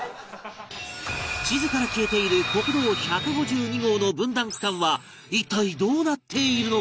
地図から消えている国道１５２号の分断区間は一体どうなっているのか？